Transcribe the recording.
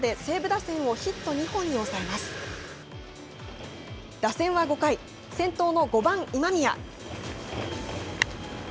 打線は５回、先頭の５番今宮。